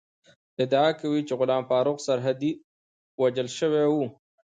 ادعا کوي چې غلام فاروق سرحدی وژل شوی ؤ